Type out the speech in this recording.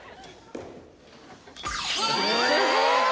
すごい！